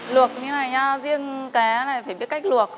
luộc như này nha riêng cái này phải biết cách luộc